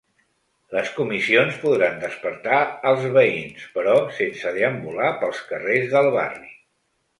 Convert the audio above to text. Les comissions podran despertar els veïns, però sense deambular pels carrers del barri.